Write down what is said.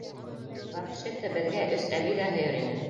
Вапше-то беҙгә өс әбей ҙә һыйыр ине.